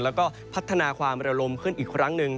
แล้วก็พัฒนาความระลมขึ้นอีกครั้งหนึ่ง